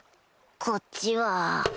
こっちは